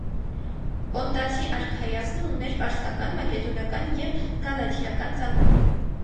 Պոնտացի արքայազնը ուներ պարսկական, մակեդոնական և գալաթիական ծագում։